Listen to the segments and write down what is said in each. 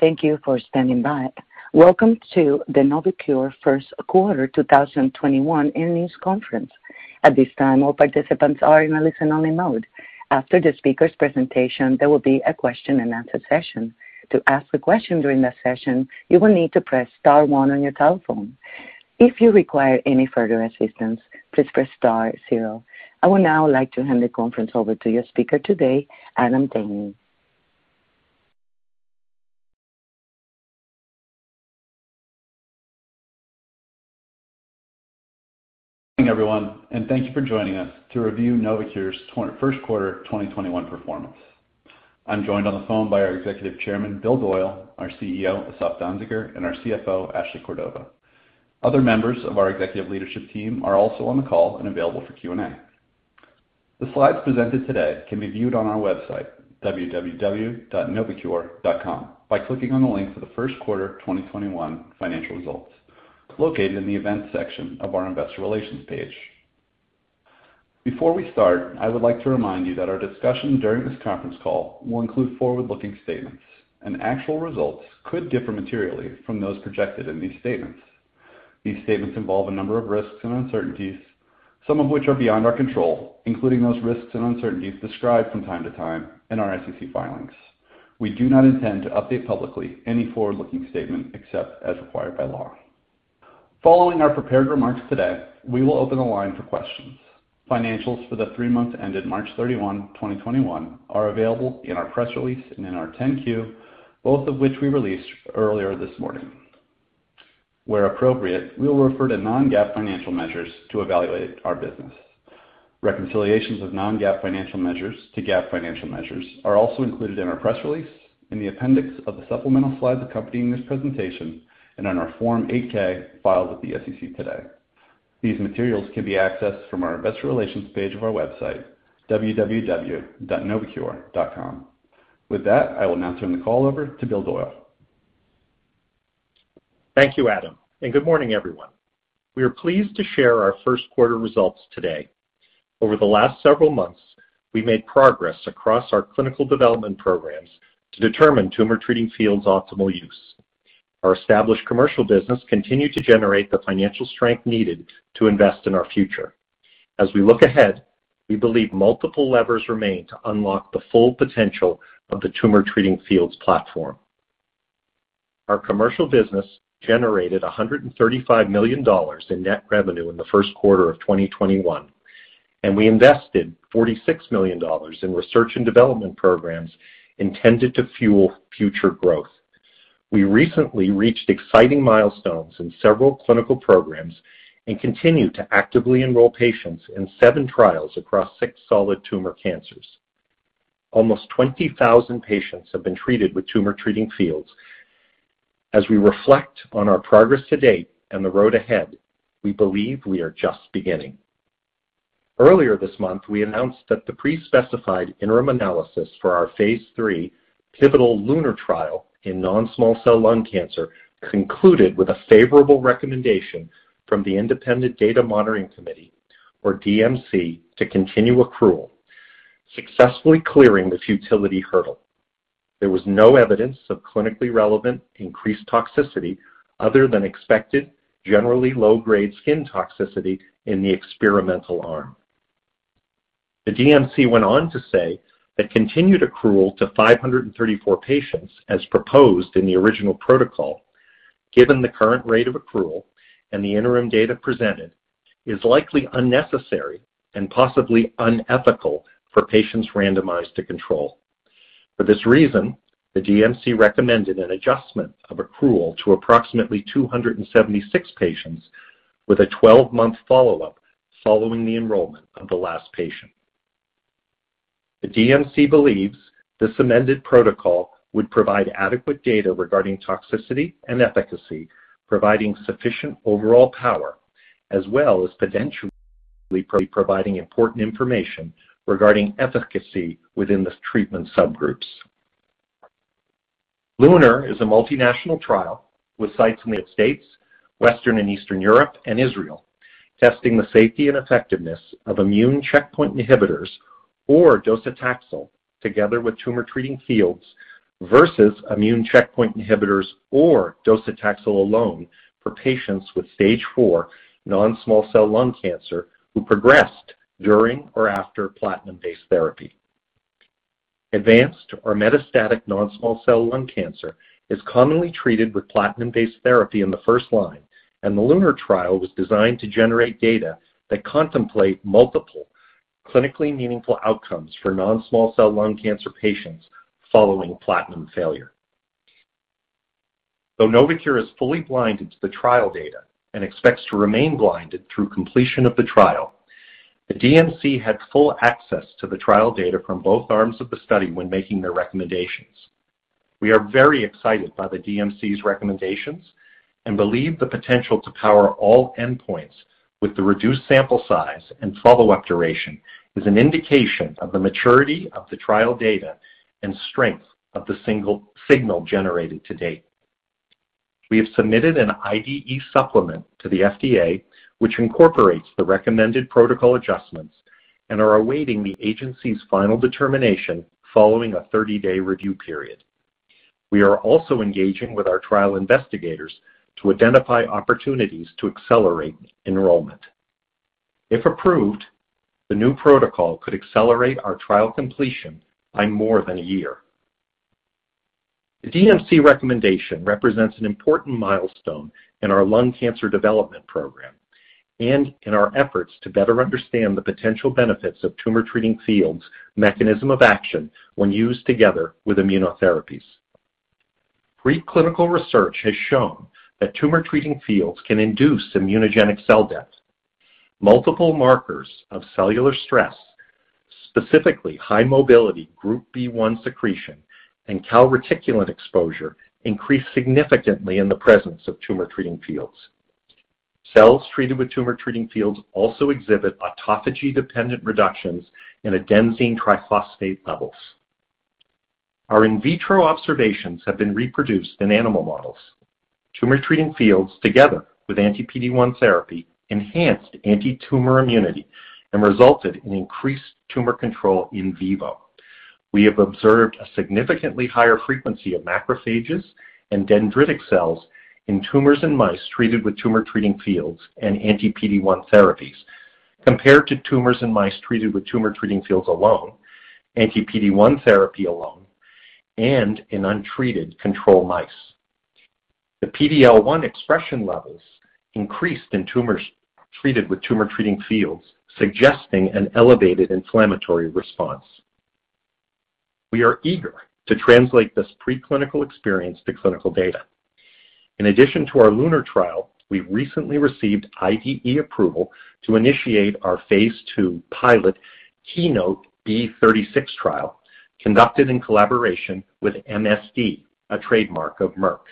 Thank you for standing by. Welcome to the NovoCure first quarter 2021 earnings conference. At this time, all participants are in listen only mode. After the speakers presentation, there will be a question and answer session, to ask a question during the session, you will need to press star one on your telephone. If you require any further assistance, please press star zero. I would now like to hand the conference over to your speaker today, Adam Daney. Good morning, everyone, and thank you for joining us to review NovoCure's first quarter 2021 performance. I'm joined on the phone by our executive chairman, William Doyle, our CEO, Asaf Danziger, and our CFO, Ashley Cordova. Other members of our executive leadership team are also on the call and available for Q&A. The slides presented today can be viewed on our website, www.novocure.com, by clicking on the link for the first quarter 2021 financial results located in the Events section of our Investor Relations page. Before we start, I would like to remind you that our discussion during this conference call will include forward-looking statements, and actual results could differ materially from those projected in these statements. These statements involve a number of risks and uncertainties, some of which are beyond our control, including those risks and uncertainties described from time to time in our SEC filings. We do not intend to update publicly any forward-looking statement except as required by law. Following our prepared remarks today, we will open the line for questions. Financials for the three months ended March 31, 2021, are available in our press release and in our 10-Q, both of which we released earlier this morning. Where appropriate, we will refer to non-GAAP financial measures to evaluate our business. Reconciliations of non-GAAP financial measures to GAAP financial measures are also included in our press release, in the appendix of the supplemental slides accompanying this presentation, and on our Form 8-K filed with the SEC today. These materials can be accessed from our Investor Relations page of our website, www.novocure.com. With that, I will now turn the call over to William Doyle. Thank you, Adam. Good morning, everyone. We are pleased to share our first quarter results today. Over the last several months, we made progress across our clinical development programs to determine Tumor Treating Fields' optimal use. Our established commercial business continued to generate the financial strength needed to invest in our future. As we look ahead, we believe multiple levers remain to unlock the full potential of the Tumor Treating Fields platform. Our commercial business generated $135 million in net revenue in the first quarter of 2021, and we invested $46 million in research and development programs intended to fuel future growth. We recently reached exciting milestones in several clinical programs and continue to actively enroll patients in seven trials across six solid tumor cancers. Almost 20,000 patients have been treated with Tumor Treating Fields. As we reflect on our progress to date and the road ahead, we believe we are just beginning. Earlier this month, we announced that the pre-specified interim analysis for our phase III pivotal LUNAR trial in non-small cell lung cancer concluded with a favorable recommendation from the independent Data Monitoring Committee, or DMC, to continue accrual, successfully clearing this utility hurdle. There was no evidence of clinically relevant increased toxicity other than expected, generally low-grade skin toxicity in the experimental arm. The DMC went on to say that continued accrual to 534 patients, as proposed in the original protocol, given the current rate of accrual and the interim data presented, is likely unnecessary and possibly unethical for patients randomized to control. For this reason, the DMC recommended an adjustment of accrual to approximately 276 patients with a 12-month follow-up following the enrollment of the last patient. The DMC believes this amended protocol would provide adequate data regarding toxicity and efficacy, providing sufficient overall power, as well as potentially providing important information regarding efficacy within the treatment subgroups. LUNAR is a multinational trial with sites in the United States, Western and Eastern Europe, and Israel, testing the safety and effectiveness of immune checkpoint inhibitors or docetaxel together with Tumor Treating Fields versus immune checkpoint inhibitors or docetaxel alone for patients with stage four non-small cell lung cancer who progressed during or after platinum-based therapy. Advanced or metastatic non-small cell lung cancer is commonly treated with platinum-based therapy in the first line, and the LUNAR trial was designed to generate data that contemplate multiple clinically meaningful outcomes for non-small cell lung cancer patients following platinum failure. Though NovoCure is fully blinded to the trial data and expects to remain blinded through completion of the trial, the DMC had full access to the trial data from both arms of the study when making their recommendations. We are very excited by the DMC's recommendations and believe the potential to power all endpoints with the reduced sample size and follow-up duration is an indication of the maturity of the trial data and strength of the signal generated to date. We have submitted an IDE supplement to the FDA, which incorporates the recommended protocol adjustments and are awaiting the agency's final determination following a 30-day review period. We are also engaging with our trial investigators to identify opportunities to accelerate enrollment. If approved, the new protocol could accelerate our trial completion by more than a year. The DMC recommendation represents an important milestone in our lung cancer development program and in our efforts to better understand the potential benefits of Tumor Treating Fields mechanism of action when used together with immunotherapies. Pre-clinical research has shown that Tumor Treating Fields can induce immunogenic cell death. Multiple markers of cellular stress, specifically high-mobility group B1 secretion and calreticulin exposure, increase significantly in the presence of Tumor Treating Fields. Cells treated with Tumor Treating Fields also exhibit autophagy-dependent reductions in adenosine triphosphate levels. Our in vitro observations have been reproduced in animal models. Tumor Treating Fields, together with anti-PD-1 therapy, enhanced anti-tumor immunity and resulted in increased tumor control in vivo. We have observed a significantly higher frequency of macrophages and dendritic cells in tumors in mice treated with Tumor Treating Fields and anti-PD-1 therapies compared to tumors in mice treated with Tumor Treating Fields alone, anti-PD-1 therapy alone, and in untreated control mice. The PD-L1 expression levels increased in tumors treated with Tumor Treating Fields, suggesting an elevated inflammatory response. We are eager to translate this preclinical experience to clinical data. In addition to our LUNAR trial, we recently received IDE approval to initiate our phase II pilot KEYNOTE-B36 trial conducted in collaboration with MSD, a trademark of Merck.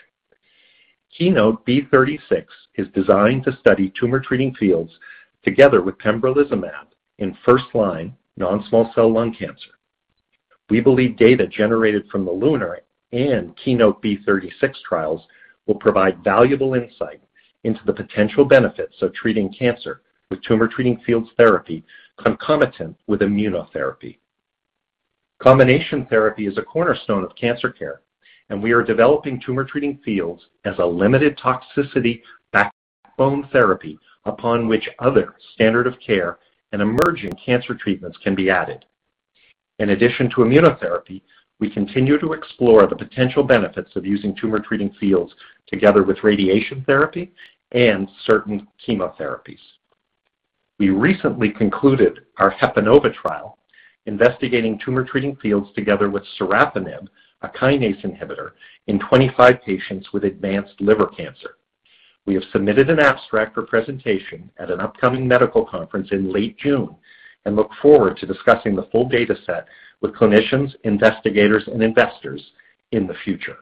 KEYNOTE-B36 is designed to study Tumor Treating Fields together with pembrolizumab in first-line non-small cell lung cancer. We believe data generated from the LUNAR and KEYNOTE-B36 trials will provide valuable insight into the potential benefits of treating cancer with Tumor Treating Fields therapy concomitant with immunotherapy. Combination therapy is a cornerstone of cancer care, and we are developing Tumor Treating Fields as a limited toxicity backbone therapy upon which other standard of care and emerging cancer treatments can be added. In addition to immunotherapy, we continue to explore the potential benefits of using Tumor Treating Fields together with radiation therapy and certain chemotherapies. We recently concluded our HEPANOVA trial investigating Tumor Treating Fields together with sorafenib, a kinase inhibitor, in 25 patients with advanced liver cancer. We have submitted an abstract for presentation at an upcoming medical conference in late June and look forward to discussing the full dataset with clinicians, investigators, and investors in the future.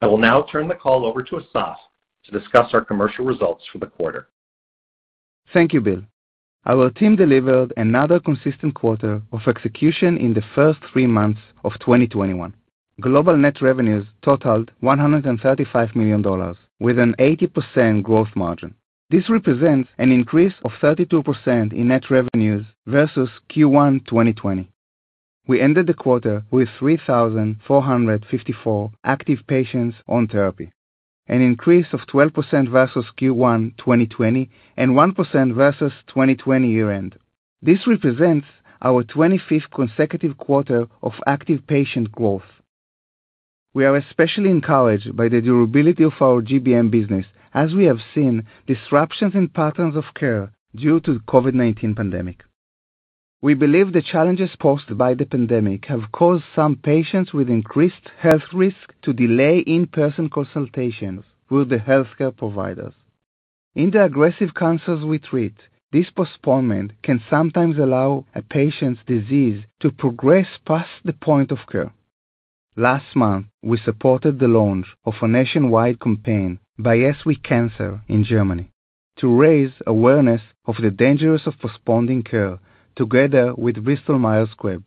I will now turn the call over to Asaf to discuss our commercial results for the quarter. Thank you, Bill. Our team delivered another consistent quarter of execution in the first three months of 2021. Global net revenues totaled $135 million, with an 80% growth margin. This represents an increase of 32% in net revenues versus Q1 2020. We ended the quarter with 3,454 active patients on therapy, an increase of 12% versus Q1 2020 and 1% versus 2020 year-end. This represents our 25th consecutive quarter of active patient growth. We are especially encouraged by the durability of our GBM business as we have seen disruptions in patterns of care due to the COVID-19 pandemic. We believe the challenges posed by the pandemic have caused some patients with increased health risk to delay in-person consultations with the healthcare providers. In the aggressive cancers we treat, this postponement can sometimes allow a patient's disease to progress past the point of cure. Last month, we supported the launch of a nationwide campaign by yeswecan!cer in Germany to raise awareness of the dangers of postponing care together with Bristol Myers Squibb.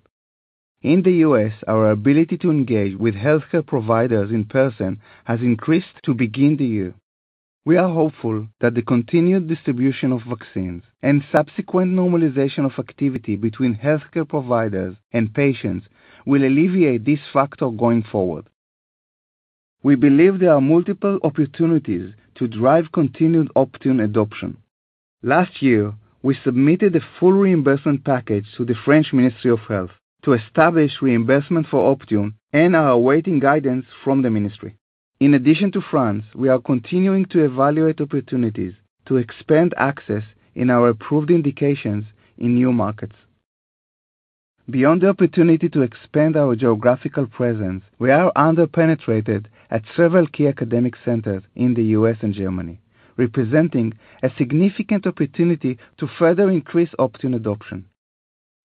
In the U.S., our ability to engage with healthcare providers in person has increased to begin the year. We are hopeful that the continued distribution of vaccines and subsequent normalization of activity between healthcare providers and patients will alleviate this factor going forward. We believe there are multiple opportunities to drive continued Optune adoption. Last year, we submitted a full reimbursement package to the French Ministry of Health to establish reimbursement for Optune and are awaiting guidance from the ministry. In addition to France, we are continuing to evaluate opportunities to expand access in our approved indications in new markets. Beyond the opportunity to expand our geographical presence, we are under-penetrated at several key academic centers in the U.S. and Germany, representing a significant opportunity to further increase Optune adoption.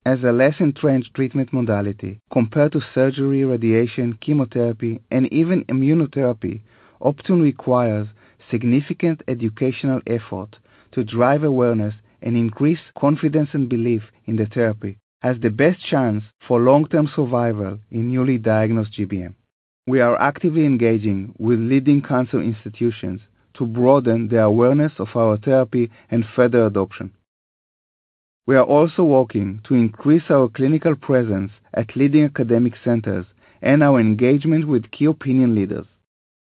As a less-entrenched treatment modality compared to surgery, radiation, chemotherapy, and even immunotherapy, Optune requires significant educational effort to drive awareness and increase confidence and belief in the therapy as the best chance for long-term survival in newly diagnosed GBM. We are actively engaging with leading cancer institutions to broaden the awareness of our therapy and further adoption. We are also working to increase our clinical presence at leading academic centers and our engagement with key opinion leaders.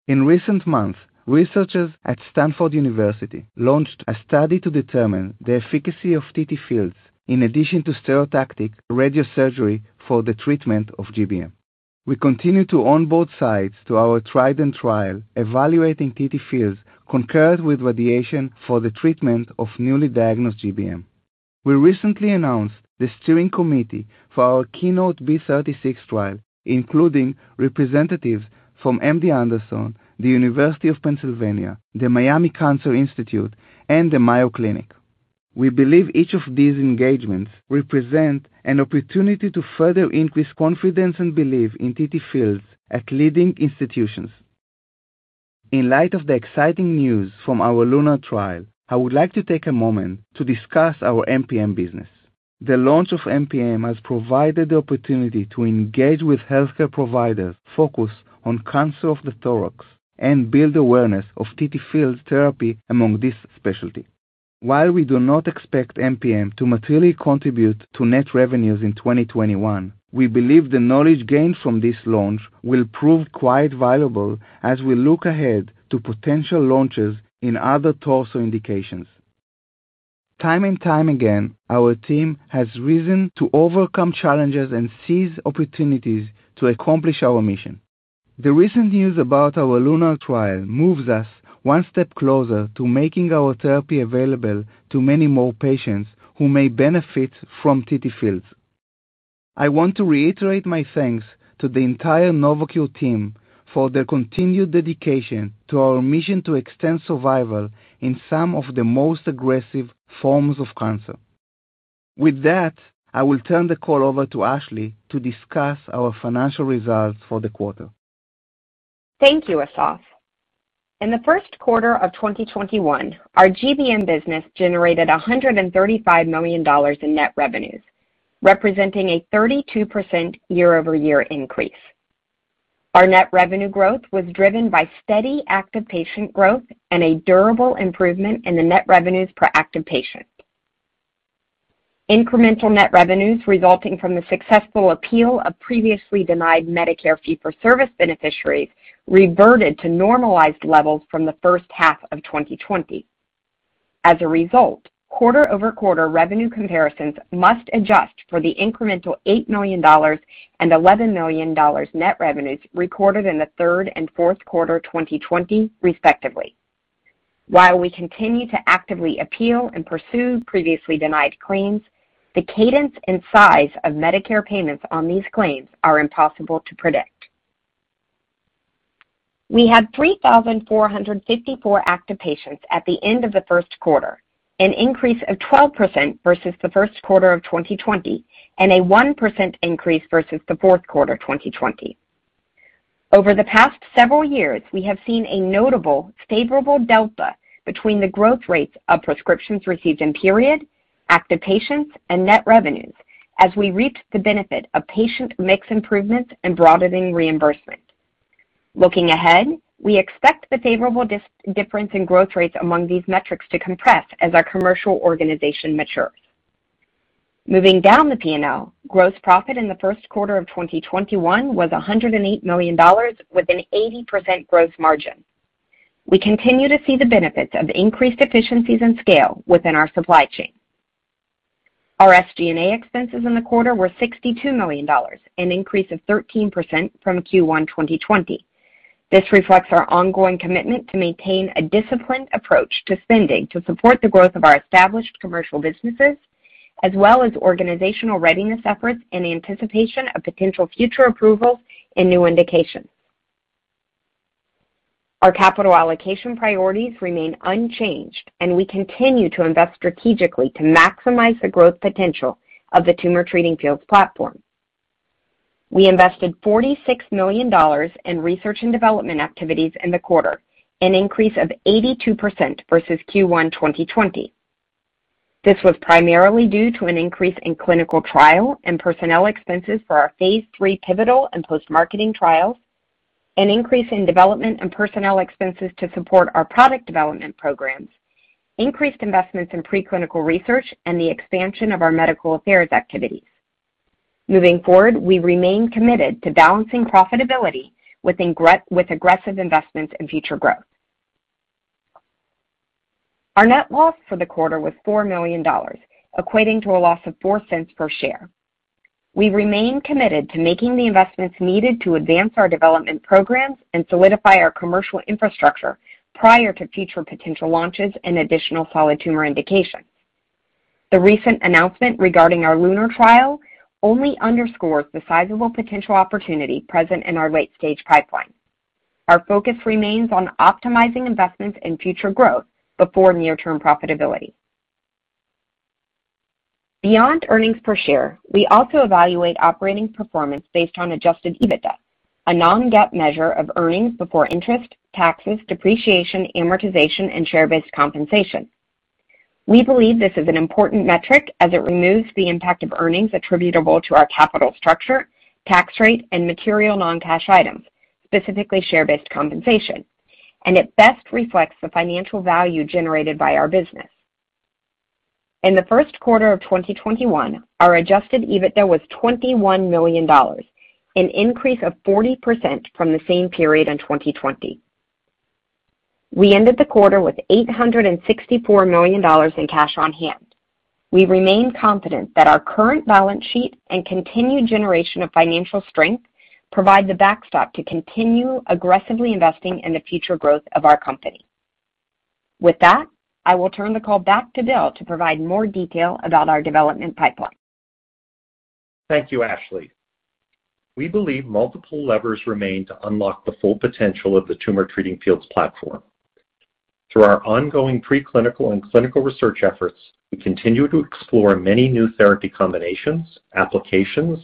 In recent months, researchers at Stanford University launched a study to determine the efficacy of TTFields in addition to stereotactic radiosurgery for the treatment of GBM. We continue to onboard sites to our TRIDENT trial evaluating TTFields concurrently with radiation for the treatment of newly diagnosed GBM. We recently announced the steering committee for our KEYNOTE-B36 trial, including representatives from MD Anderson, the University of Pennsylvania, the Miami Cancer Institute, and the Mayo Clinic. We believe each of these engagements represent an opportunity to further increase confidence and belief in TTFields at leading institutions. In light of the exciting news from our LUNAR trial, I would like to take a moment to discuss our MPM business. The launch of MPM has provided the opportunity to engage with healthcare providers focused on cancer of the thorax and build awareness of TTFields therapy among this specialty. While we do not expect MPM to materially contribute to net revenues in 2021, we believe the knowledge gained from this launch will prove quite valuable as we look ahead to potential launches in other torso indications. Time and time again, our team has risen to overcome challenges and seize opportunities to accomplish our mission. The recent news about our LUNAR trial moves us one step closer to making our therapy available to many more patients who may benefit from TTFields. I want to reiterate my thanks to the entire NovoCure team for their continued dedication to our mission to extend survival in some of the most aggressive forms of cancer. With that, I will turn the call over to Ashley to discuss our financial results for the quarter. Thank you, Asaf. In the first quarter of 2021, our GBM business generated $135 million in net revenues, representing a 32% year-over-year increase. Our net revenue growth was driven by steady, active patient growth and a durable improvement in the net revenues per active patient. Incremental net revenues resulting from the successful appeal of previously denied Medicare fee-for-service beneficiaries reverted to normalized levels from the first half of 2020. As a result, quarter-over-quarter revenue comparisons must adjust for the incremental $8 million and $11 million net revenues recorded in the third and fourth quarter 2020, respectively. While we continue to actively appeal and pursue previously denied claims, the cadence and size of Medicare payments on these claims are impossible to predict. We had 3,454 active patients at the end of the first quarter, an increase of 12% versus the first quarter of 2020, and a 1% increase versus the fourth quarter 2020. Over the past several years, we have seen a notable favorable delta between the growth rates of prescriptions received in period, active patients, and net revenues as we reaped the benefit of patient mix improvements and broadening reimbursement. Looking ahead, we expect the favorable difference in growth rates among these metrics to compress as our commercial organization matures. Moving down the P&L, gross profit in the first quarter of 2021 was $108 million with an 80% gross margin. We continue to see the benefits of increased efficiencies and scale within our supply chain. Our SG&A expenses in the quarter were $62 million, an increase of 13% from Q1 2020. This reflects our ongoing commitment to maintain a disciplined approach to spending to support the growth of our established commercial businesses, as well as organizational readiness efforts in anticipation of potential future approvals and new indications. Our capital allocation priorities remain unchanged, and we continue to invest strategically to maximize the growth potential of the Tumor Treating Fields platform. We invested $46 million in research and development activities in the quarter, an increase of 82% versus Q1 2020. This was primarily due to an increase in clinical trial and personnel expenses for our phase III pivotal and post-marketing trials, an increase in development and personnel expenses to support our product development programs, increased investments in preclinical research, and the expansion of our medical affairs activities. Moving forward, we remain committed to balancing profitability with aggressive investments in future growth. Our net loss for the quarter was $4 million, equating to a loss of $0.04 per share. We remain committed to making the investments needed to advance our development programs and solidify our commercial infrastructure prior to future potential launches in additional solid tumor indications. The recent announcement regarding our LUNAR trial only underscores the sizable potential opportunity present in our late-stage pipeline. Our focus remains on optimizing investments in future growth before near-term profitability. Beyond earnings per share, we also evaluate operating performance based on adjusted EBITDA, a non-GAAP measure of earnings before interest, taxes, depreciation, amortization, and share-based compensation. We believe this is an important metric as it removes the impact of earnings attributable to our capital structure, tax rate, and material non-cash items, specifically share-based compensation, and it best reflects the financial value generated by our business. In the first quarter of 2021, our adjusted EBITDA was $21 million, an increase of 40% from the same period in 2020. We ended the quarter with $864 million in cash on hand. We remain confident that our current balance sheet and continued generation of financial strength provide the backstop to continue aggressively investing in the future growth of our company. With that, I will turn the call back to William Doyle to provide more detail about our development pipeline. Thank you, Ashley. We believe multiple levers remain to unlock the full potential of the Tumor Treating Fields platform. Through our ongoing preclinical and clinical research efforts, we continue to explore many new therapy combinations, applications,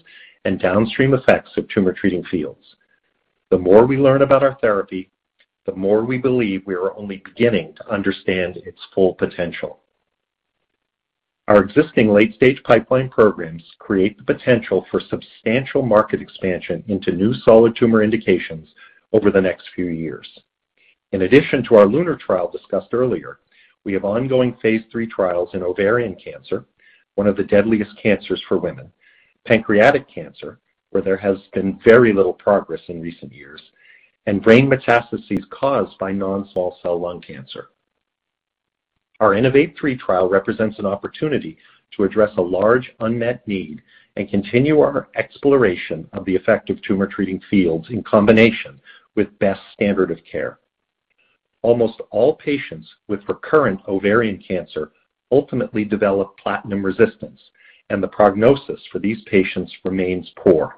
and downstream effects of Tumor Treating Fields. The more we learn about our therapy, the more we believe we are only beginning to understand its full potential. Our existing late-stage pipeline programs create the potential for substantial market expansion into new solid tumor indications over the next few years. In addition to our LUNAR trial discussed earlier, we have ongoing phase III trials in ovarian cancer, one of the deadliest cancers for women, pancreatic cancer, where there has been very little progress in recent years, and brain metastases caused by non-small cell lung cancer. Our INNOVATE-3 trial represents an opportunity to address a large unmet need and continue our exploration of the effect of Tumor Treating Fields in combination with best standard of care. Almost all patients with recurrent ovarian cancer ultimately develop platinum resistance, and the prognosis for these patients remains poor.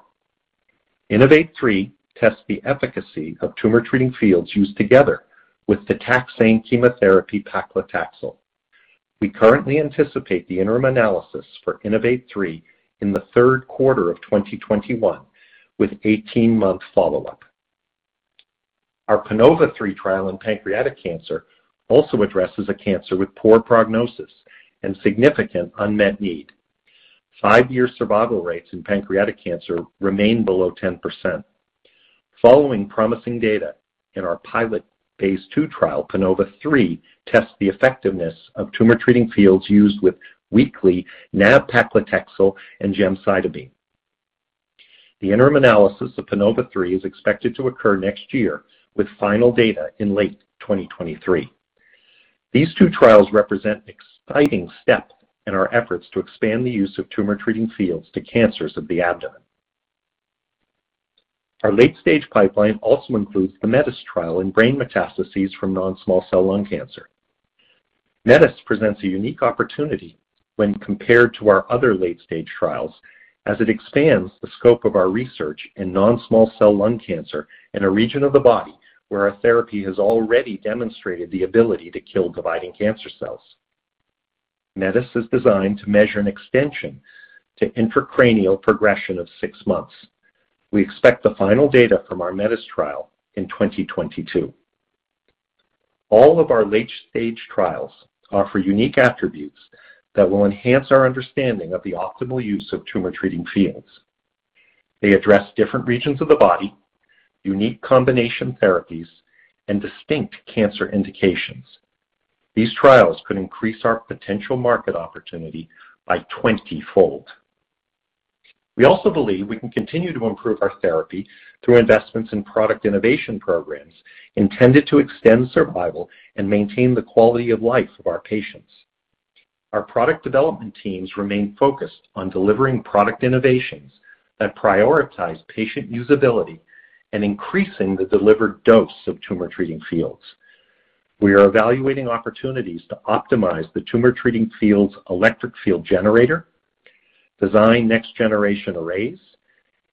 INNOVATE-3 tests the efficacy of Tumor Treating Fields used together with the taxane chemotherapy paclitaxel. We currently anticipate the interim analysis for INNOVATE-3 in the third quarter of 2021 with 18-month follow-up. Our PANOVA-3 trial in pancreatic cancer also addresses a cancer with poor prognosis and significant unmet need. 5-year survival rates in pancreatic cancer remain below 10%. Following promising data in our pilot phase II trial, PANOVA-3 tests the effectiveness of Tumor Treating Fields used with weekly nab-paclitaxel and gemcitabine. The interim analysis of PANOVA-3 is expected to occur next year, with final data in late 2023. These two trials represent an exciting step in our efforts to expand the use of Tumor Treating Fields to cancers of the abdomen. Our late-stage pipeline also includes the METIS trial in brain metastases from non-small cell lung cancer. METIS presents a unique opportunity when compared to our other late-stage trials, as it expands the scope of our research in non-small cell lung cancer in a region of the body where our therapy has already demonstrated the ability to kill dividing cancer cells. METIS is designed to measure an extension to intracranial progression of six months. We expect the final data from our METIS trial in 2022. All of our late-stage trials offer unique attributes that will enhance our understanding of the optimal use of Tumor Treating Fields. They address different regions of the body, unique combination therapies, and distinct cancer indications. These trials could increase our potential market opportunity by twentyfold. We also believe we can continue to improve our therapy through investments in product innovation programs intended to extend survival and maintain the quality of life of our patients. Our product development teams remain focused on delivering product innovations that prioritize patient usability and increasing the delivered dose of Tumor Treating Fields. We are evaluating opportunities to optimize the Tumor Treating Fields electric field generator, design next-generation arrays,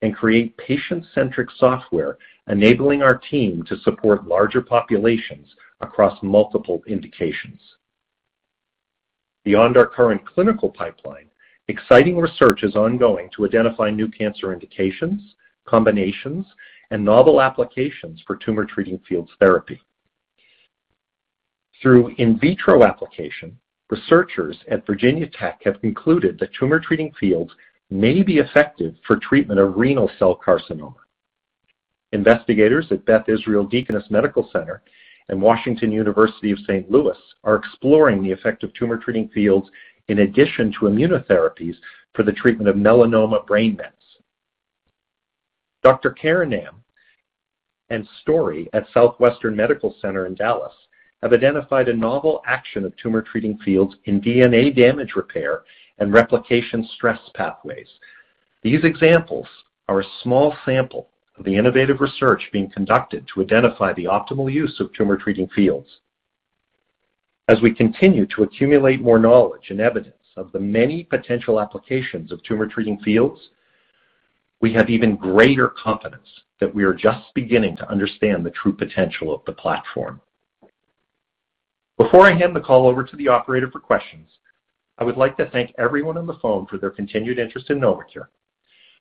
and create patient-centric software, enabling our team to support larger populations across multiple indications. Beyond our current clinical pipeline, exciting research is ongoing to identify new cancer indications, combinations, and novel applications for Tumor Treating Fields therapy. Through in vitro application, researchers at Virginia Tech have concluded that Tumor Treating Fields may be effective for treatment of renal cell carcinoma. Investigators at Beth Israel Deaconess Medical Center and Washington University in St. Louis are exploring the effect of Tumor Treating Fields in addition to immunotherapies for the treatment of melanoma brain mets. Dr. Karanam and Story at Southwestern Medical Center in Dallas have identified a novel action of Tumor Treating Fields in DNA damage repair and replication stress pathways. These examples are a small sample of the innovative research being conducted to identify the optimal use of Tumor Treating Fields. As we continue to accumulate more knowledge and evidence of the many potential applications of Tumor Treating Fields, we have even greater confidence that we are just beginning to understand the true potential of the platform. Before I hand the call over to the operator for questions. I would like to thank everyone on the phone for their continued interest in NovoCure.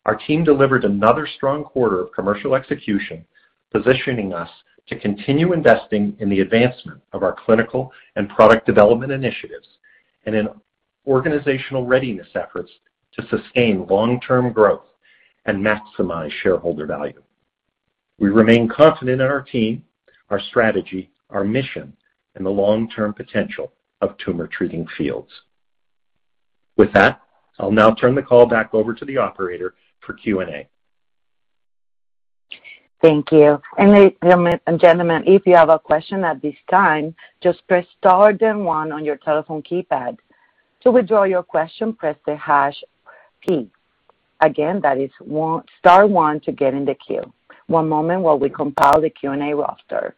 Our team delivered another strong quarter of commercial execution, positioning us to continue investing in the advancement of our clinical and product development initiatives, and in organizational readiness efforts to sustain long-term growth and maximize shareholder value. We remain confident in our team, our strategy, our mission, and the long-term potential of Tumor Treating Fields. With that, I'll now turn the call back over to the operator for Q&A. Thank you. Ladies and gentlemen, if you have a question at this time, just press star then one on your telephone keypad. To withdraw your question, press the hash key. Again, that is star one to get in the queue. One moment while we compile the Q&A roster.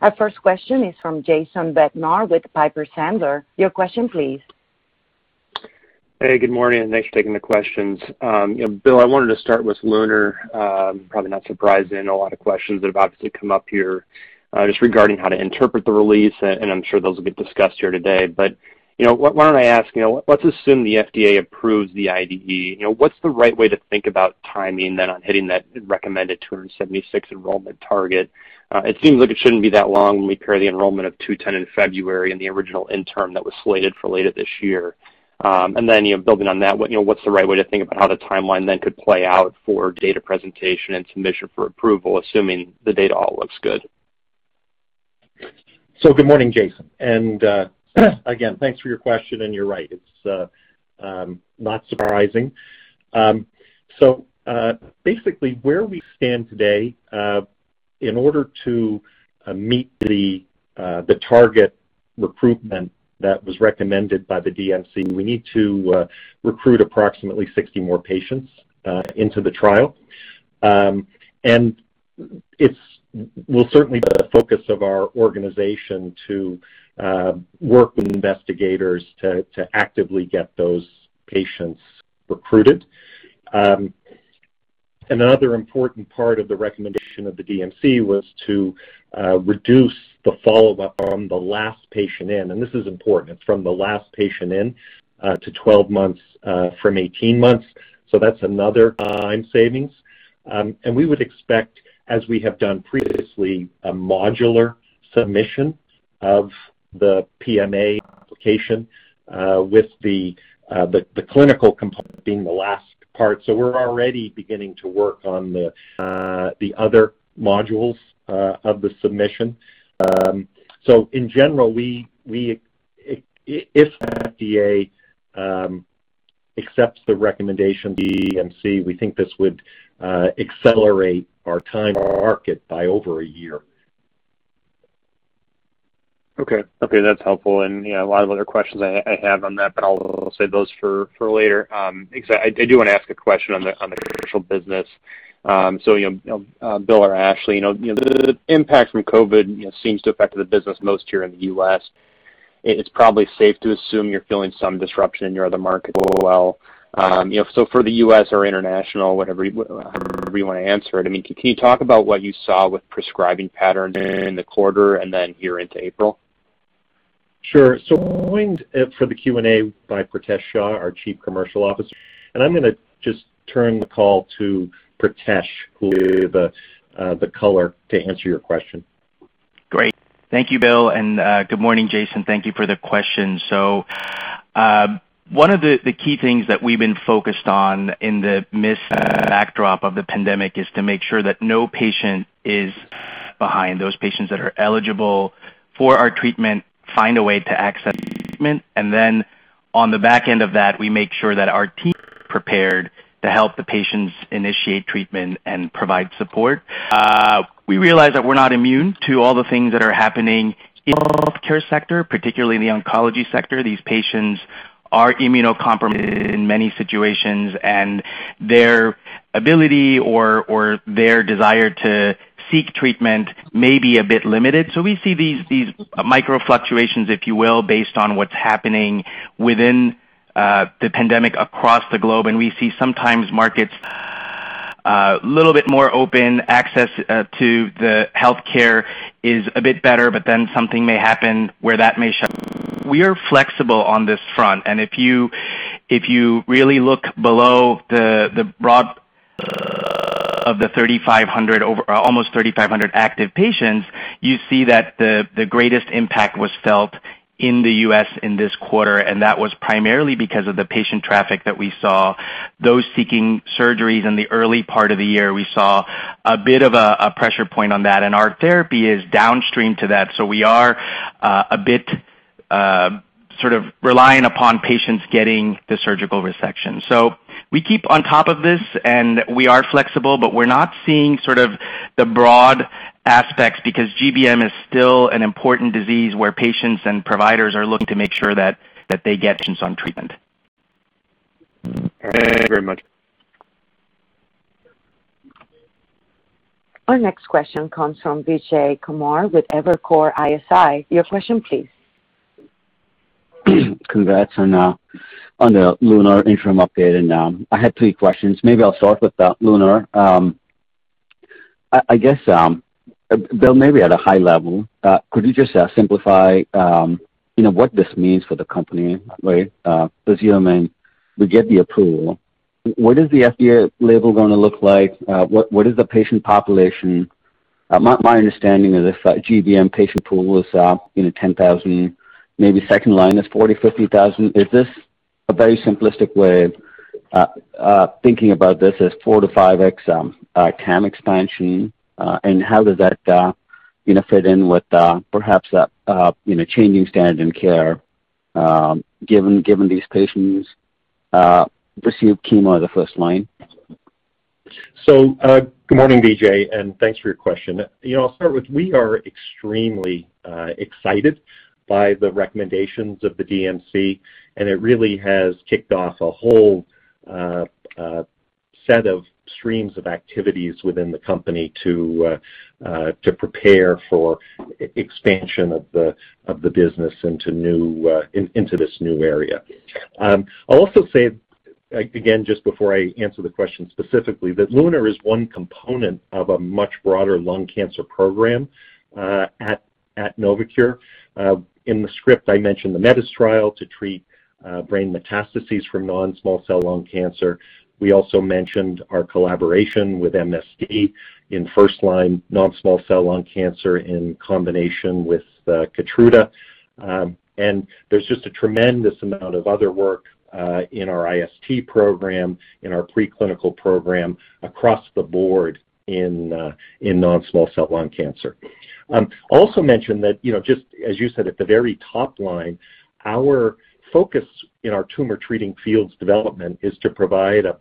Our first question is from Jason Bednar with Piper Sandler. Your question please. Hey, good morning, and thanks for taking the questions. Bill, I wanted to start with LUNAR. Probably not surprising, a lot of questions that have obviously come up here just regarding how to interpret the release, and I'm sure those will get discussed here today. Why don't I ask, let's assume the FDA approves the IDE. What's the right way to think about timing then on hitting that recommended 276 enrollment target? It seems like it shouldn't be that long when we pair the enrollment of 210 in February and the original interim that was slated for later this year. Building on that, what's the right way to think about how the timeline then could play out for data presentation and submission for approval, assuming the data all looks good? Good morning, Jason. Again, thanks for your question. You're right. It's not surprising. Basically, where we stand today in order to meet the target recruitment that was recommended by the DMC, we need to recruit approximately 60 more patients into the trial. It will certainly be the focus of our organization to work with investigators to actively get those patients recruited. Another important part of the recommendation of the DMC was to reduce the follow-up from the last patient in. This is important. It's from the last patient in to 12 months from 18 months. That's another time savings. We would expect, as we have done previously, a modular submission of the PMA application with the clinical component being the last part. We're already beginning to work on the other modules of the submission. In general, if the FDA accepts the recommendation of the DMC, we think this would accelerate our time to market by over a year. Okay. That's helpful. A lot of other questions I have on that, but I'll save those for later. I do want to ask a question on the commercial business. Bill or Ashley, the impact from COVID seems to affect the business most here in the U.S. It's probably safe to assume you're feeling some disruption in your other markets as well. For the U.S. or international, however you want to answer it, can you talk about what you saw with prescribing patterns in the quarter and then here into April? Sure. We're joined for the Q&A by Pritesh Shah, our Chief Commercial Officer, and I'm going to just turn the call to Pritesh, who gave the color, to answer your question. Great. Thank you, Bill, and good morning, Jason. Thank you for the question. One of the key things that we've been focused on in the midst and the backdrop of the pandemic is to make sure that no patient is behind. Those patients that are eligible for our treatment find a way to access the treatment. Then on the back end of that, we make sure that our team is prepared to help the patients initiate treatment and provide support. We realize that we're not immune to all the things that are happening in the healthcare sector, particularly the oncology sector. These patients are immunocompromised in many situations, and their ability or their desire to seek treatment may be a bit limited. We see these micro fluctuations, if you will, based on what's happening within the pandemic across the globe, and we see sometimes markets a little bit more open, access to the healthcare is a bit better, but then something may happen where that may shut. We are flexible on this front, and if you really look below the broad of the almost 3,500 active patients, you see that the greatest impact was felt in the U.S. in this quarter, and that was primarily because of the patient traffic that we saw. Those seeking surgeries in the early part of the year, we saw a bit of a pressure point on that, and our therapy is downstream to that. We are a bit sort of reliant upon patients getting the surgical resection. We keep on top of this, and we are flexible, but we're not seeing sort of the broad aspects because GBM is still an important disease where patients and providers are looking to make sure that they get patients on treatment. Thank you very much. Our next question comes from Vijay Kumar with Evercore ISI. Your question please. Congrats on the LUNAR interim update. I had three questions. Maybe I'll start with LUNAR. Bill, maybe at a high level, could you just simplify what this means for the company? Let's assume we get the approval. What is the FDA label going to look like? What is the patient population? My understanding is this GBM patient pool is 10,000, maybe second line is 40,000, 50,000. Is this a very simplistic way thinking about this as 4x to 5x TAM expansion? How does that fit in with perhaps changing standard in care, given these patients receive chemo as a first line? Good morning, Vijay, and thanks for your question. I'll start with, we are extremely excited by the recommendations of the DMC, and it really has kicked off a whole set of streams of activities within the company to prepare for expansion of the business into this new area. I'll also say, again, just before I answer the question specifically, that LUNAR is one component of a much broader lung cancer program at NovoCure. In the script, I mentioned the METIS trial to treat brain metastases from non-small cell lung cancer. We also mentioned our collaboration with MSD in first-line non-small cell lung cancer in combination with Keytruda. There's just a tremendous amount of other work in our IST program, in our preclinical program, across the board in non-small cell lung cancer. Also mention that, just as you said, at the very top line, our focus in our Tumor Treating Fields development is to provide a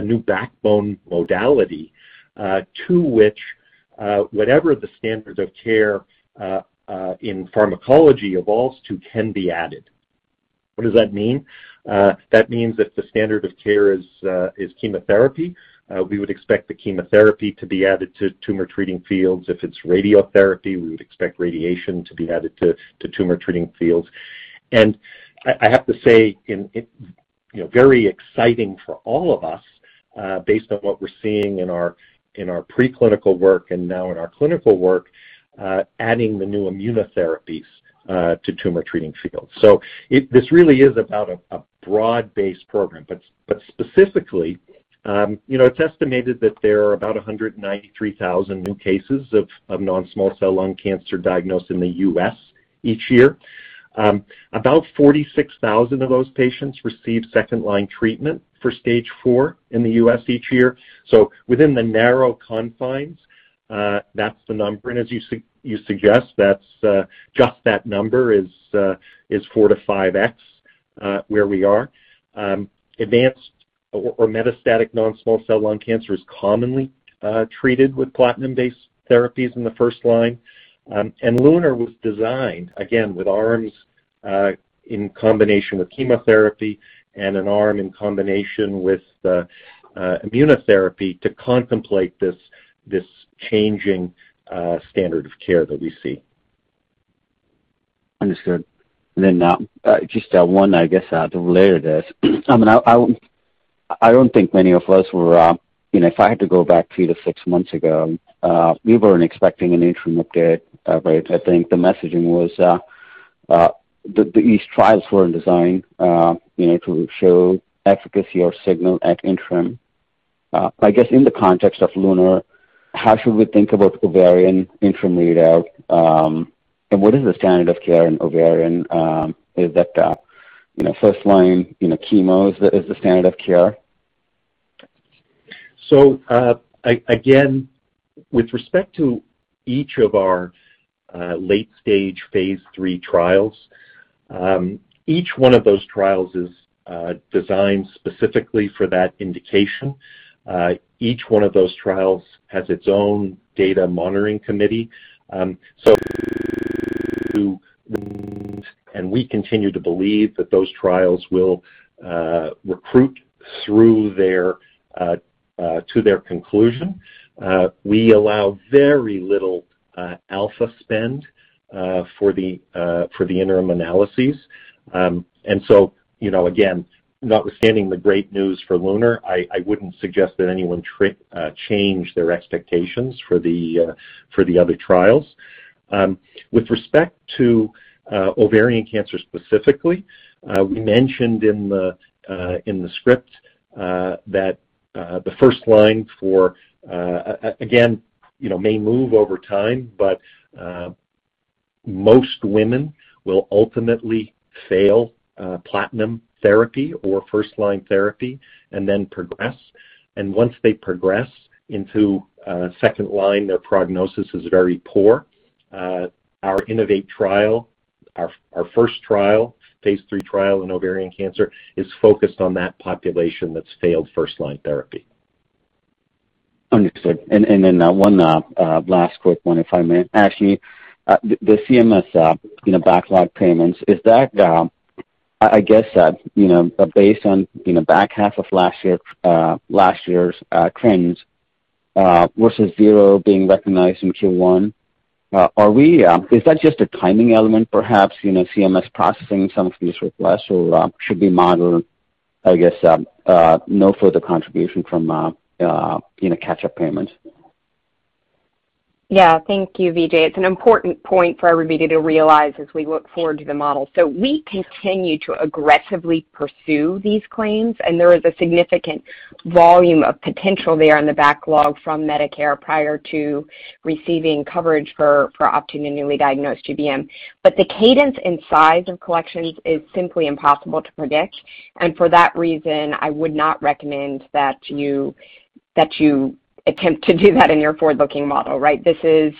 new backbone modality, to which whatever the standard of care in pharmacology evolves to can be added. What does that mean? That means if the standard of care is chemotherapy, we would expect the chemotherapy to be added to Tumor Treating Fields. If it's radiotherapy, we would expect radiation to be added to Tumor Treating Fields. I have to say, very exciting for all of us, based on what we're seeing in our preclinical work and now in our clinical work, adding the new immunotherapies to Tumor Treating Fields. This really is about a broad-based program. Specifically, it's estimated that there are about 193,000 new cases of non-small cell lung cancer diagnosed in the U.S. each year. About 46,000 of those patients receive second-line treatment for stage IV in the U.S. each year. Within the narrow confines, that's the number. As you suggest, just that number is 4x to 5x where we are. Advanced or metastatic non-small cell lung cancer is commonly treated with platinum-based therapies in the first line. LUNAR was designed, again, with arms in combination with chemotherapy and an arm in combination with immunotherapy to contemplate this changing standard of care that we see. Understood. Just one, I guess, to layer this. I don't think many of us were, if I had to go back three to six months ago, we weren't expecting an interim update. I think the messaging was that these trials weren't designed to show efficacy or signal at interim. I guess in the context of LUNAR, how should we think about ovarian interim readout, and what is the standard of care in ovarian? Is that first-line chemo is the standard of care? Again, with respect to each of our late-stage phase III trials, each one of those trials is designed specifically for that indication. Each one of those trials has its own data monitoring committee. And we continue to believe that those trials will recruit through to their conclusion. We allow very little alpha spend for the interim analyses. Again, notwithstanding the great news for LUNAR, I wouldn't suggest that anyone change their expectations for the other trials. With respect to ovarian cancer specifically, we mentioned in the script that the first line, again, may move over time, but most women will ultimately fail platinum therapy or first-line therapy and then progress. Once they progress into second line, their prognosis is very poor. Our INNOVATE trial, our first trial, phase III trial in ovarian cancer, is focused on that population that's failed first-line therapy. Understood. One last quick one, if I may. Actually, the CMS backlog payments, I guess that based on back half of last year's trends, versus zero being recognized in Q1, is that just a timing element, perhaps, CMS processing some of these requests or should we model, I guess, no further contribution from catch-up payments? Thank you, Vijay. It's an important point for everybody to realize as we look forward to the model. We continue to aggressively pursue these claims, and there is a significant volume of potential there in the backlog from Medicare prior to receiving coverage for Optune in newly diagnosed GBM. The cadence and size of collections is simply impossible to predict, and for that reason, I would not recommend that you attempt to do that in your forward-looking model, right? This is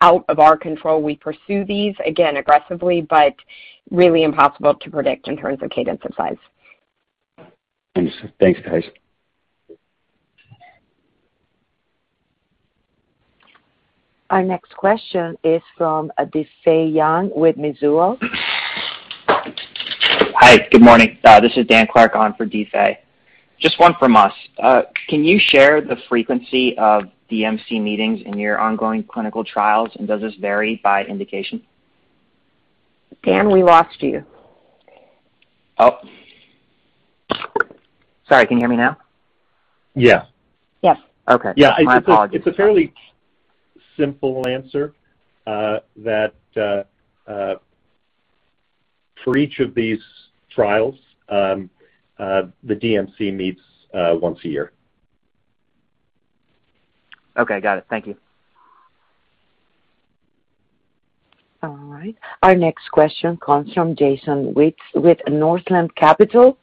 out of our control. We pursue these, again, aggressively, but really impossible to predict in terms of cadence and size. Thanks, guys. Our next question is from Difei Yang with Mizuho. Hi. Good morning. This is Daniel Clarke on for Difei. Just one from us. Can you share the frequency of DMC meetings in your ongoing clinical trials? Does this vary by indication? Dan, we lost you. Sorry, can you hear me now? Yes. Yes. Okay. My apologies. Yeah, it's a fairly simple answer, that for each of these trials, the DMC meets once a year. Okay, got it. Thank you. All right. Our next question comes from Jason Wittes with Northland Capital.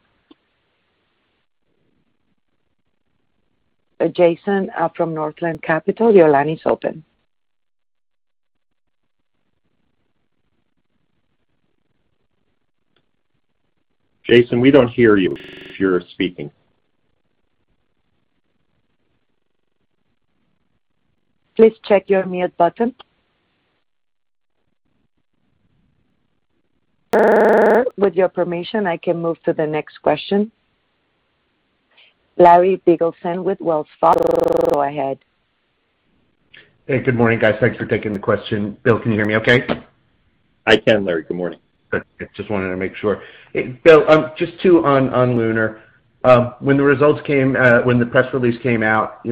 Jason from Northland Capital, your line is open. Jason, we don't hear you if you're speaking. Please check your mute button. Sir, with your permission, I can move to the next question. Larry Biegelsen with Wells Fargo, go ahead. Hey, good morning, guys. Thanks for taking the question. Bill, can you hear me okay? I can, Larry. Good morning. Just wanted to make sure. Bill, just two on LUNAR. When the results came, when the press release came out, we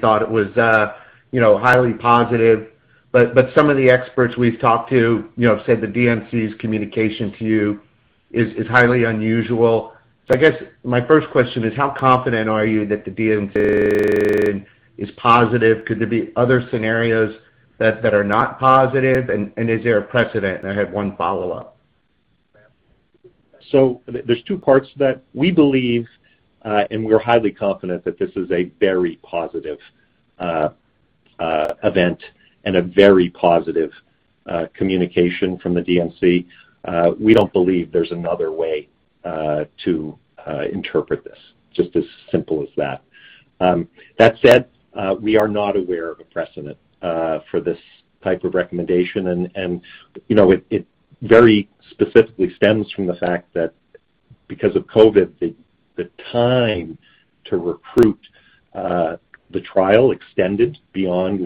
thought it was highly positive. Some of the experts we've talked to said the DMC's communication to you is highly unusual. I guess my first question is, how confident are you that the DMC is positive? Could there be other scenarios that are not positive, and is there a precedent? I have one follow-up. There's two parts to that. We believe, and we're highly confident that this is a very positive event and a very positive communication from the DMC. We don't believe there's another way to interpret this, just as simple as that. That said, we are not aware of a precedent for this type of recommendation, and it very specifically stems from the fact that because of COVID, the time to recruit the trial extended beyond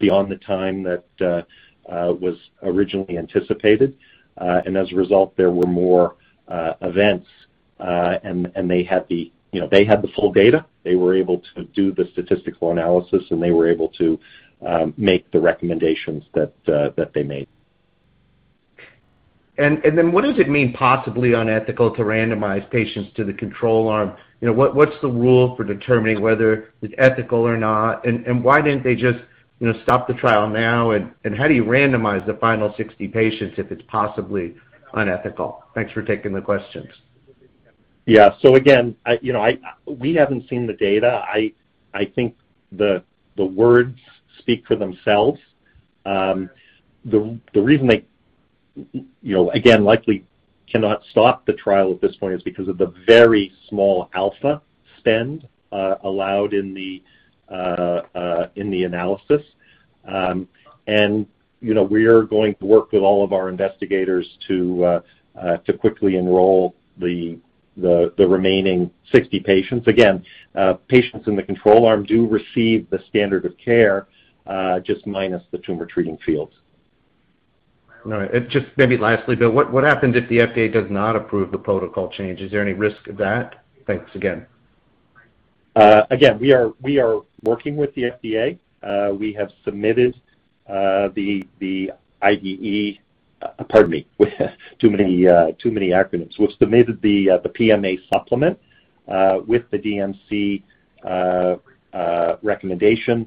the time that was originally anticipated. As a result, there were more events, and they had the full data. They were able to do the statistical analysis, and they were able to make the recommendations that they made. What does it mean, possibly unethical to randomize patients to the control arm? What's the rule for determining whether it's ethical or not? Why didn't they just stop the trial now? How do you randomize the final 60 patients if it's possibly unethical? Thanks for taking the questions. Yeah. Again, we haven't seen the data. I think the words speak for themselves. The reason they, again, likely cannot stop the trial at this point is because of the very small alpha spend allowed in the analysis. We're going to work with all of our investigators to quickly enroll the remaining 60 patients. Again, patients in the control arm do receive the standard of care, just minus the Tumor Treating Fields. All right. Just maybe lastly, Bill, what happens if the FDA does not approve the protocol change? Is there any risk of that? Thanks again. Again, we are working with the FDA. We have submitted the IDE. Pardon me. Too many acronyms. We've submitted the PMA supplement with the DMC recommendation.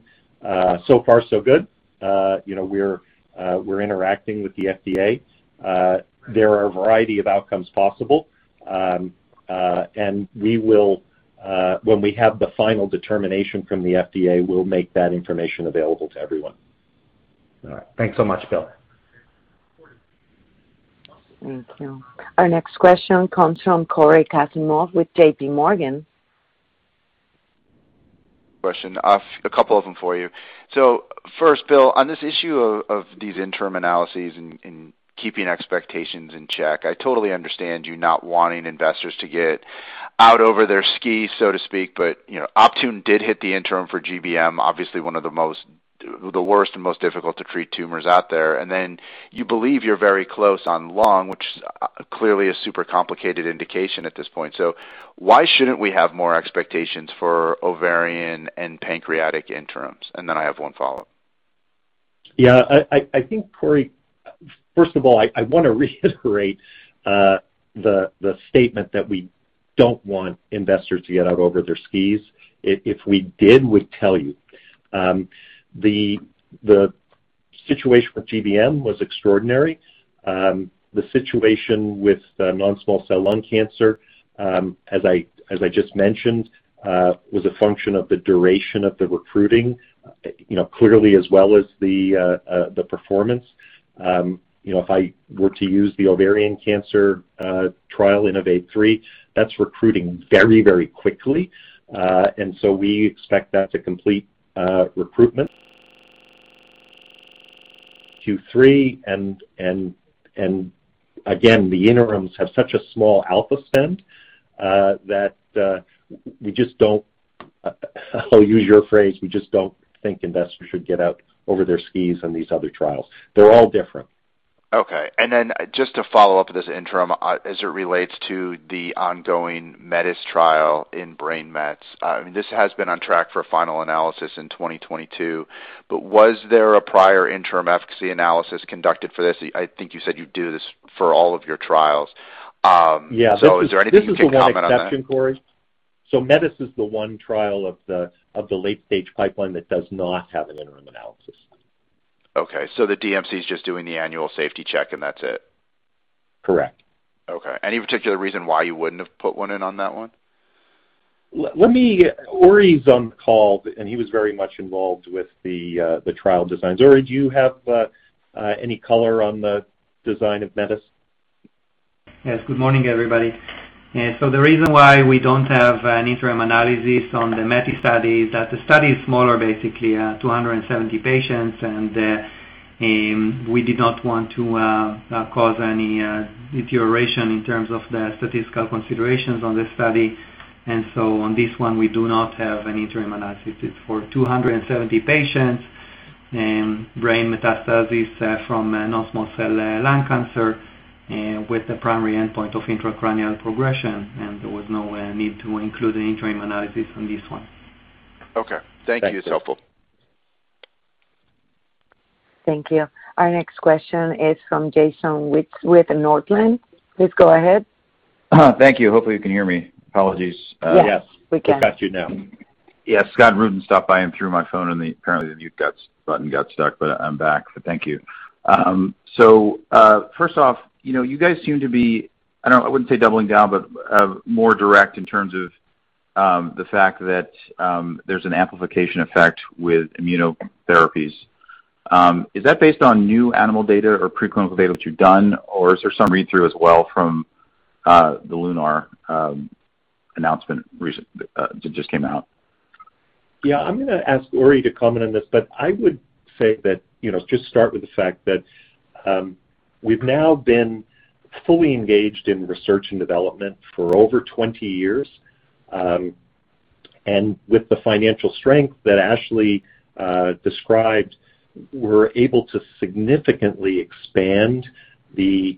So far so good. We're interacting with the FDA. There are a variety of outcomes possible. When we have the final determination from the FDA, we'll make that information available to everyone. All right. Thanks so much, Bill. Thank you. Our next question comes from Cory Kasimov with JPMorgan. Question. A couple of them for you. First, Bill, on this issue of these interim analyses and keeping expectations in check, I totally understand you not wanting investors to get out over their skis, so to speak, but Optune did hit the interim for GBM, obviously the worst and most difficult to treat tumors out there. Then you believe you're very close on lung, which clearly a super complicated indication at this point. Why shouldn't we have more expectations for ovarian and pancreatic interims? Then I have one follow-up. Yeah. I think, Cory, first of all, I want to reiterate the statement that we don't want investors to get out over their skis. We did, we'd tell you. The situation with GBM was extraordinary. The situation with non-small cell lung cancer, as I just mentioned, was a function of the duration of the recruiting, clearly, as well as the performance. I were to use the ovarian cancer trial INNOVATE-3, that's recruiting very quickly. We expect that to complete recruitment Q3. Again, the interims have such a small alpha spend, that I'll use your phrase, we just don't think investors should get out over their skis on these other trials. They're all different. Okay. Just to follow up with this interim as it relates to the ongoing METIS trial in brain mets. This has been on track for final analysis in 2022. Was there a prior interim efficacy analysis conducted for this? I think you said you do this for all of your trials. Yeah. Is there anything you can comment on that? This is the one exception, Cory. METIS is the one trial of the late stage pipeline that does not have an interim analysis. Okay. The DMC is just doing the annual safety check, and that's it. Correct. Okay. Any particular reason why you wouldn't have put one in on that one? Uri's on call, and he was very much involved with the trial designs. Uri, do you have any color on the design of METIS? Good morning, everybody. The reason why we don't have an interim analysis on the METIS study is that the study is smaller, basically 270 patients, and we did not want to cause any deterioration in terms of the statistical considerations on this study. On this one, we do not have an interim analysis. It's for 270 patients and brain metastasis from non-small cell lung cancer with the primary endpoint of intracranial progression, and there was no need to include an interim analysis on this one. Okay. Thank you. It's helpful. Thank you. Thank you. Our next question is from Jason Wittes with Northland. Please go ahead. Thank you. Hopefully, you can hear me. Apologies. Yes, we can. We've got you now. Yeah, Scott Rudin stopped by and threw my phone, and apparently the mute button got stuck, but I'm back, so thank you. First off, you guys seem to be, I wouldn't say doubling down, but more direct in terms of the fact that there's an amplification effect with immunotherapies. Is that based on new animal data or preclinical data that you've done, or is there some read-through as well from the LUNAR announcement that just came out? Yeah, I'm going to ask Uri to comment on this, but I would say that, just start with the fact that we've now been fully engaged in research and development for over 20 years. With the financial strength that Ashley described, we're able to significantly expand the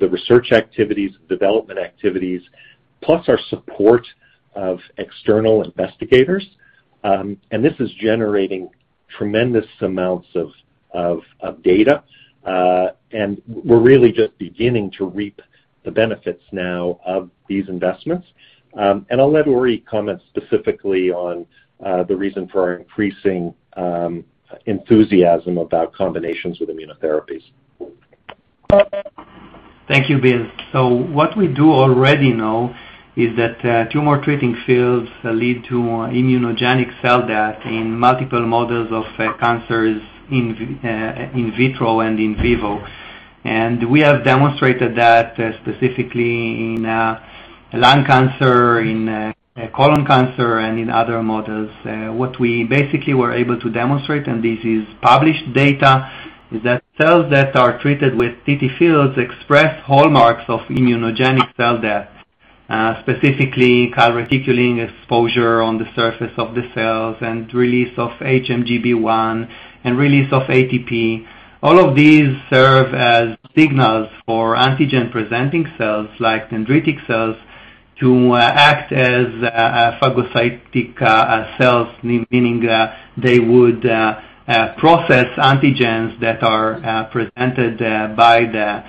research activities, development activities, plus our support of external investigators. This is generating tremendous amounts of data. We're really just beginning to reap the benefits now of these investments. I'll let Uri comment specifically on the reason for our increasing enthusiasm about combinations with immunotherapies. Thank you, Bill. What we do already know is that Tumor Treating Fields lead to immunogenic cell death in multiple models of cancers in vitro and in vivo. We have demonstrated that specifically in lung cancer, in colon cancer, and in other models. What we basically were able to demonstrate, and this is published data, is that cells that are treated with TTFields express hallmarks of immunogenic cell death. Specifically, calreticulin exposure on the surface of the cells and release of HMGB1 and release of ATP. All of these serve as signals for antigen-presenting cells like dendritic cells to act as phagocytic cells, meaning they would process antigens that are presented by the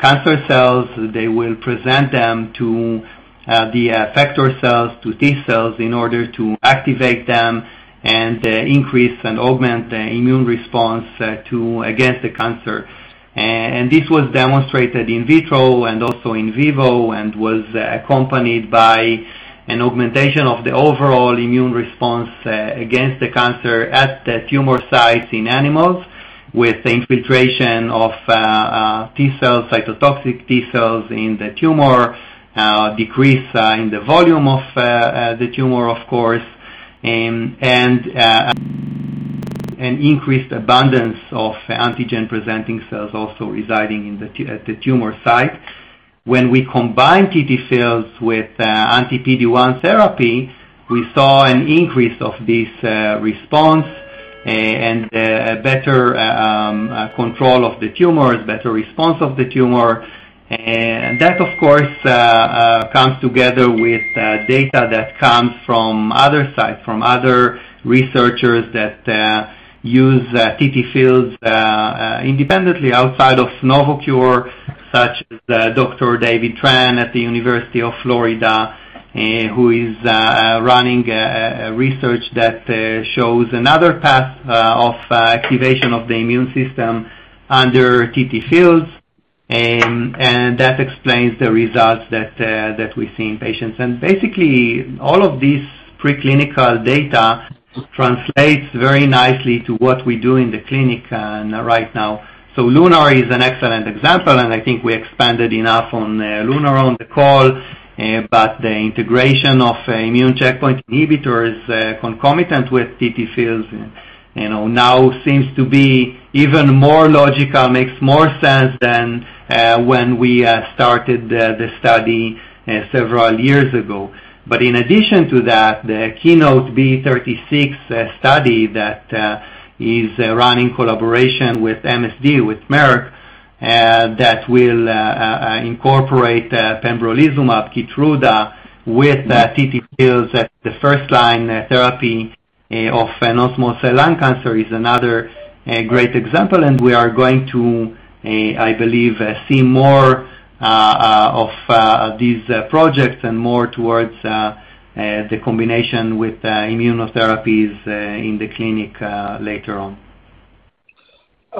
cancer cells. They will present them to the effector cells, to T cells, in order to activate them and increase and augment the immune response against the cancer. This was demonstrated in vitro and also in vivo and was accompanied by an augmentation of the overall immune response against the cancer at the tumor sites in animals. With the infiltration of T cells, cytotoxic T cells in the tumor, decrease in the volume of the tumor, of course, and an increased abundance of antigen-presenting cells also residing at the tumor site. When we combine TTFields with anti-PD-1 therapy, we saw an increase of this response and a better control of the tumor, better response of the tumor. That, of course, comes together with data that comes from other sites, from other researchers that use TTFields independently outside of NovoCure, such as Dr. David D. Tran at the University of Florida, who is running a research that shows another path of activation of the immune system under TTFields. That explains the results that we see in patients. Basically, all of these preclinical data translates very nicely to what we do in the clinic right now. LUNAR is an excellent example, and I think we expanded enough on LUNAR on the call. The integration of immune checkpoint inhibitors concomitant with TTFields now seems to be even more logical, makes more sense than when we started the study several years ago. In addition to that, the KEYNOTE-B36 study that is run in collaboration with MSD, with Merck, that will incorporate pembrolizumab, Keytruda, with TTFields as the first-line therapy of non-small cell lung cancer is another great example. We are going to, I believe, see more of these projects and more towards the combination with immunotherapies in the clinic later on.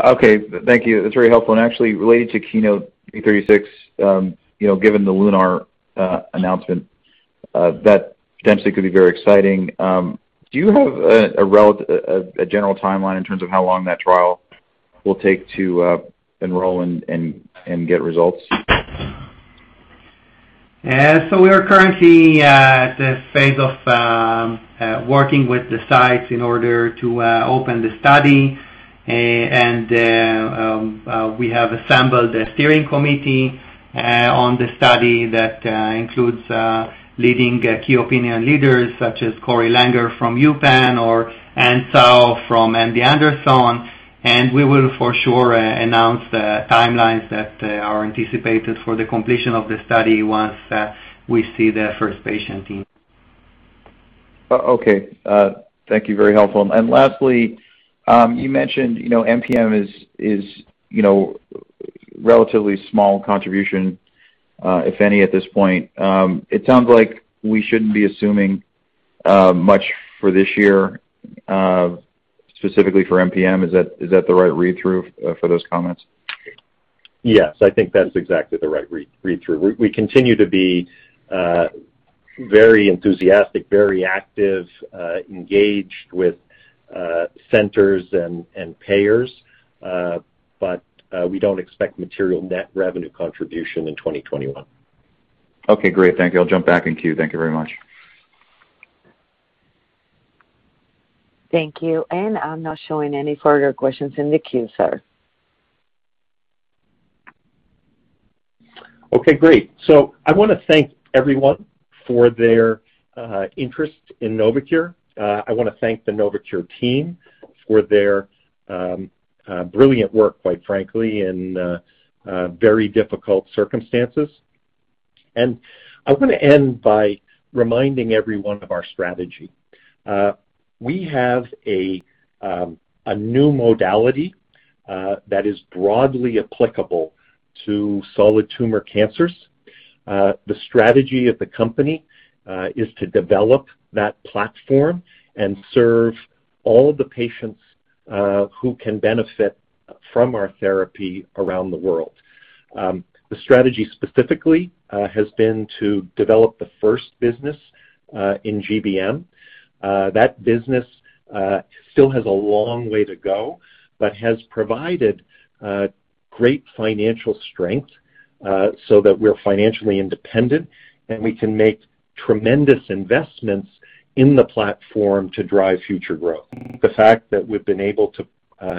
Okay. Thank you. That's very helpful. Actually, related to KEYNOTE-B36, given the LUNAR announcement, that potentially could be very exciting. Do you have a general timeline in terms of how long that trial will take to enroll and get results? We are currently at the phase of working with the sites in order to open the study. We have assembled a steering committee on the study that includes leading key opinion leaders such as Corey Langer from University of Pennsylvania or Anne Tsao from The University of Texas MD Anderson Cancer Center. We will, for sure, announce the timelines that are anticipated for the completion of the study once we see the first patient in. Okay. Thank you. Very helpful. Lastly, you mentioned MPM is relatively small contribution, if any, at this point. It sounds like we shouldn't be assuming much for this year, specifically for MPM. Is that the right read-through for those comments? Yes, I think that's exactly the right read-through. We continue to be very enthusiastic, very active, engaged with centers and payers. We don't expect material net revenue contribution in 2021. Okay, great. Thank you. I'll jump back in queue. Thank you very much. Thank you. I'm not showing any further questions in the queue, sir. Okay, great. I want to thank everyone for their interest in NovoCure. I want to thank the NovoCure team for their brilliant work, quite frankly, in very difficult circumstances. I want to end by reminding everyone of our strategy. We have a new modality that is broadly applicable to solid tumor cancers. The strategy of the company is to develop that platform and serve all of the patients who can benefit from our therapy around the world. The strategy specifically has been to develop the first business in GBM. That business still has a long way to go, but has provided great financial strength so that we're financially independent and we can make tremendous investments in the platform to drive future growth. The fact that we've been able to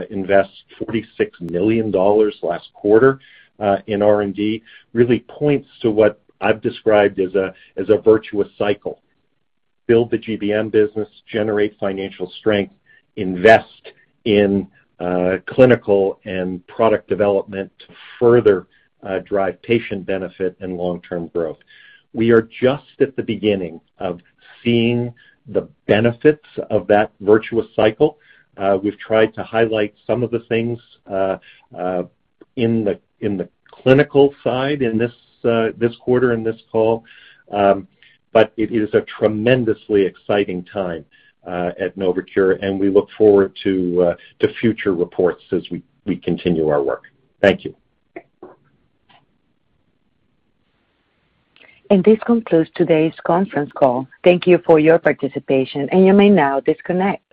invest $46 million last quarter in R&D really points to what I've described as a virtuous cycle. Build the GBM business, generate financial strength, invest in clinical and product development to further drive patient benefit and long-term growth. We are just at the beginning of seeing the benefits of that virtuous cycle. We've tried to highlight some of the things in the clinical side in this quarter, in this call. It is a tremendously exciting time at NovoCure, and we look forward to future reports as we continue our work. Thank you. This concludes today's conference call. Thank you for your participation, and you may now disconnect.